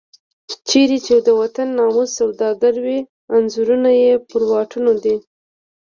چېرته چې د وطن د ناموس سوداګر وي انځورونه یې پر واټونو دي.